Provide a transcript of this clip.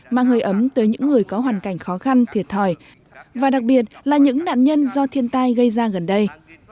mang hơi ấm tới những người có hoàn cảnh khó khăn thiệt thòi và đặc biệt là những nạn nhân do thiên tai gây ra gần đây